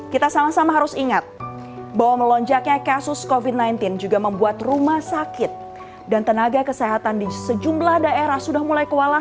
kita sama sama harus ingat bahwa melonjaknya kasus covid sembilan belas juga membuat rumah sakit dan tenaga kesehatan di sejumlah daerah sudah mulai kewalahan